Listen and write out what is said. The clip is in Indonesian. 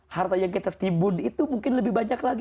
harta yang kita timbun itu mungkin lebih banyak lagi